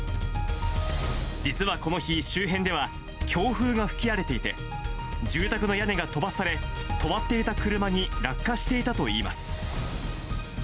実はこの日、周辺では強風が吹き荒れていて、住宅の屋根が飛ばされ、止まっていた車に落下していたといいます。